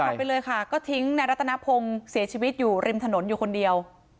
ไปเลยค่ะก็ทิ้งในรัตนพงศ์เสียชีวิตอยู่ริมถนนอยู่คนเดียว